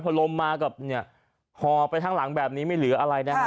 พอลมมาห่อไปทางหลังแบบนี้ไม่เหลืออะไรนะ